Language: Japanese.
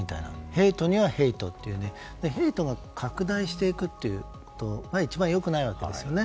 ヘイトにはヘイトというヘイトが拡大していくことが一番良くないわけですよね。